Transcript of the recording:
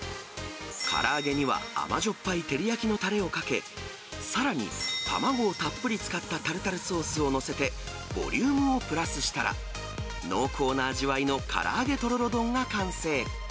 から揚げには甘じょっぱい照り焼きのたれをかけ、さらに卵をたっぷり使ったタルタルソースを載せて、ボリュームをプラスしたら、濃厚な味わいのから揚げとろろ丼が完成。